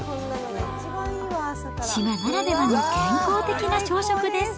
島ならではの健康的な朝食です。